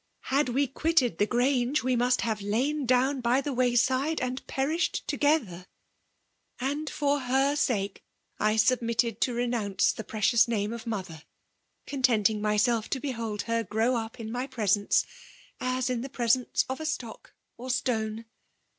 Had we qfoitted the Ghrango, we must hare lain down by tiie way side^^and perished togelh^: and for her sake I su}>^ milted to renounce the precious name of mother; contenting mysdif to behold her grow up in my presence as in the presence of a stock <Ht stone.